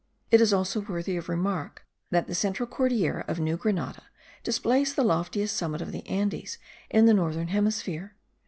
It is also worthy of remark that the central Cordillera of New Grenada displays the loftiest summit of the Andes in the northern hemisphere.